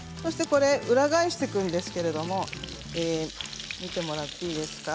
これ裏返していくんですけど見てもらっていいですか。